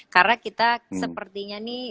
karena kita sepertinya nih